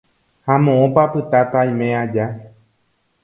ha moõpa apytáta aime aja.